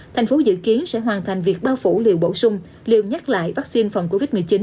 thành phố dự kiến sẽ hoàn thành việc bao phủ liệu bổ sung liều nhắc lại vaccine phòng covid một mươi chín